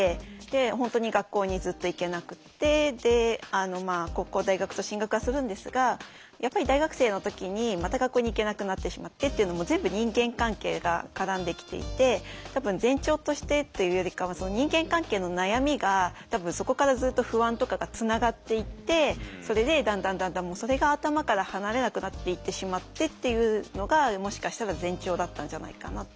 本当に学校にずっと行けなくって高校大学と進学はするんですがやっぱり大学生の時にまた学校に行けなくなってしまってというのも全部人間関係が絡んできていて多分前兆としてっていうよりかは人間関係の悩みが多分そこからずっと不安とかがつながっていってそれでだんだんだんだんそれが頭から離れなくなっていってしまってっていうのがもしかしたら前兆だったんじゃないかな。